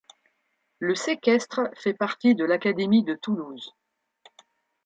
Le Sequestre fait partie de l'académie de Toulouse.